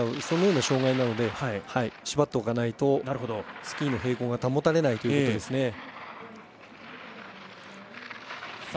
そのような障がいなので縛っておかないとスキーの平行が保たれないということですね。